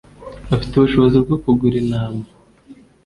afite ubushobozi bwo kugura intama.